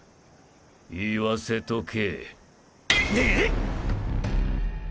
言わせとけ。